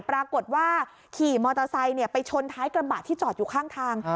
ปรากฏว่าขี่มอเตอร์ไซค์ไปชนท้ายกระบะที่จอดอยู่ข้างทาง